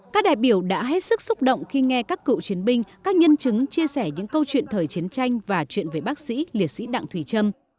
các đại biểu đã hết sức xúc động khi nghe các cựu chiến binh các nhân chứng chia sẻ những câu chuyện thời chiến tranh và chuyện về bác sĩ liệt sĩ đặng thùy trâm